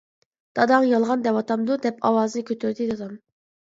-داداڭ يالغان دەۋاتامدۇ؟ -دەپ ئاۋازىنى كۆتۈردى دادام.